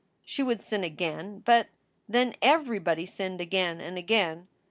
She would sin again but then everybody sinned again and again.